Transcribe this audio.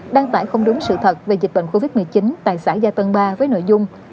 đăng tải không đúng sự thật về dịch bệnh covid một mươi chín tại xã gia tân ba với nội dung